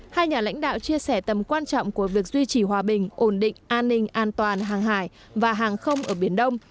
hai nhà lãnh đạo chia sẻ tầm quan trọng của việc duy trì hòa bình ổn định an ninh an toàn hàng hải và hàng không ở biển đông